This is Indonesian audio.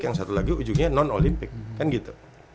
yang satu lagi ujungnya non olimpik kan gitu